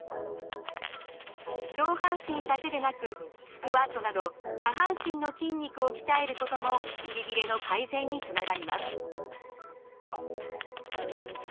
上半身だけでなくスクワットなど下半身の筋肉を鍛えることも息切れの改善につながります。